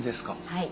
はい。